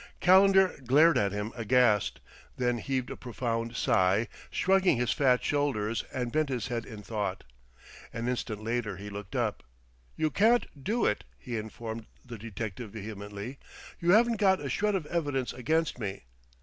Calendar glared at him aghast; then heaved a profound sigh, shrugged his fat shoulders, and bent his head in thought. An instant later he looked up. "You can't do it," he informed the detective vehemently; "you haven't got a shred of evidence against me!